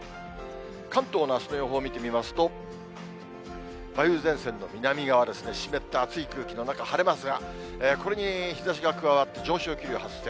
関東のあすの予報見てみますと、梅雨前線の南側ですね、湿った熱い空気の中、晴れますが、これに日ざしが加わって、上昇気流発生。